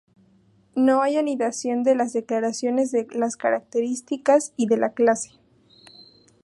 No hay anidación de las declaraciones de las características y de la clase.